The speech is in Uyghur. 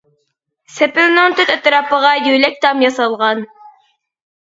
سېپىلنىڭ تۆت ئەتراپىغا يۆلەك تام ياسالغان.